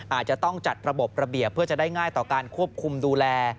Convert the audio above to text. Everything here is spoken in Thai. อาจจะต้องจัดระบบระเบียบเพื่อจะได้ง่ายต่อการควบคุมดูแล